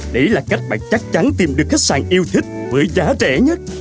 đấy là cách bạn chắc chắn tìm được khách sạn yêu thích với giá rẻ nhất